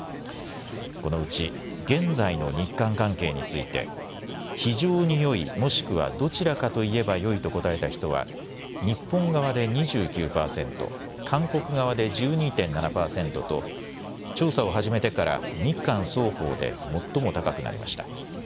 このうち現在の日韓関係について非常によい、もしくはどちらかといえばよいと答えた人は日本側で２９％、韓国側で１２．７％と調査を始めてから日韓双方で最も高くなりました。